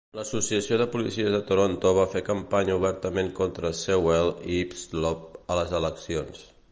L'associació de policies de Toronto va fer campanya obertament contra Sewell i Hislop a les eleccions.